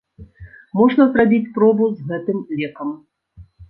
Можна зрабіць пробу з гэтым лекам.